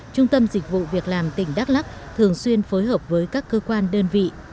trung tâm dịch vụ việc làm tỉnh đắk lắc thường xuyên phối hợp với các cơ quan đơn vị